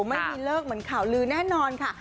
ไม่มีเลิกเหมือนข่าวลือแน่นอนค่ะ